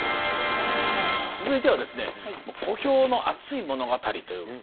続いてはですね小兵の熱い物語という。